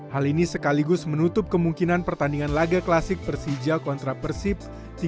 hal ini sekaligus menutup kemungkinan pertandingan laga klasik persija kontra persib